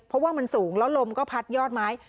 เพราะว่ามันสูงแล้วลมก็พัดยอดไม้